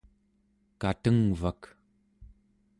katengvak